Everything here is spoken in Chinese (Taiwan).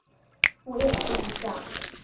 我也吃不下了